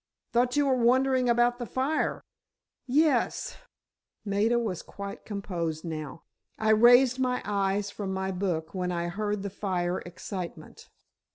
"Thought you were wondering about the fire?" "Yes," Maida was quite composed now. "I raised my eyes from my book when I heard the fire excitement."